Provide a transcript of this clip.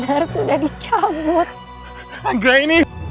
aku akan tetap menunggu